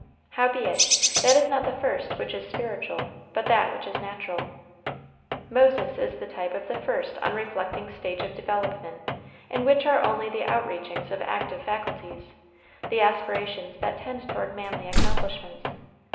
"Howbeit, that is not first which is spiritual, but that which is natural." Moses is the type of the first unreflecting stage of development, in which are only the out reachings of active faculties, the aspirations that tend toward manly accomplishments.